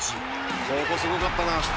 「ここすごかったな」